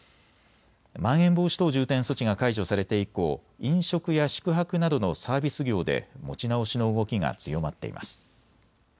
まん延防止等重点措置が解除されて以降、飲食や宿泊などのサービス業で持ち直しの動きが強まっています。